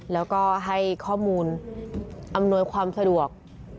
แล้วก็ให้ข้อมูลอำนวยความสะดวก